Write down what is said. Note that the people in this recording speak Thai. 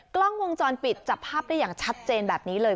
กล้องวงจรปิดจับภาพได้อย่างชัดเจนแบบนี้เลย